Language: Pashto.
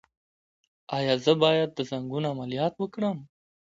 ایا زه باید د زنګون عملیات وکړم؟